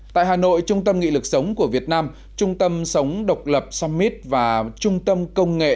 tại hà nội trung tâm nghị lực sống của việt nam trung tâm sống độc lập summit và trung tâm công nghệ